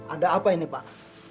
ada apa ini pak